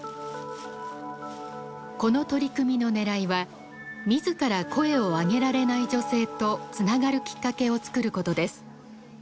この取り組みのねらいは自ら声を上げられない女性とつながるきっかけを作ることです。